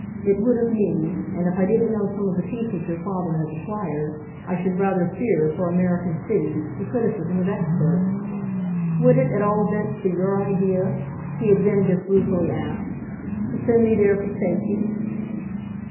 It would of me, and if I didn't know some of the pieces your father has acquired, I should rather fear, for American City, the criticism of experts. Would it at all events be your idea," he had then just ruefully asked, "to send me there for safety?"